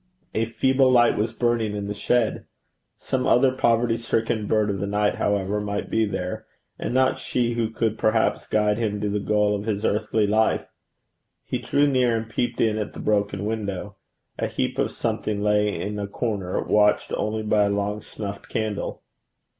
A feeble light was burning in the shed. Some other poverty stricken bird of the night, however, might be there, and not she who could perhaps guide him to the goal of his earthly life. He drew near, and peeped in at the broken window. A heap of something lay in a corner, watched only by a long snuffed candle.